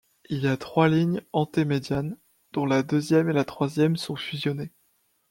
Il y a trois lignes antémédiannes, dont la deuxième et la troisième sont fusionnées.